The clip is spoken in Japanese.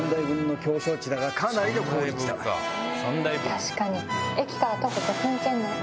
確かに。